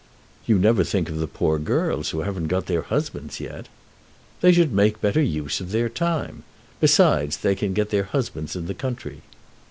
"You never think of the poor girls who haven't got their husbands yet." "They should make better use of their time. Besides, they can get their husbands in the country."